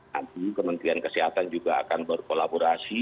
nanti kementerian kesehatan juga akan berkolaborasi